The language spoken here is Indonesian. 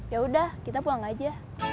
yaudah kita pulang aja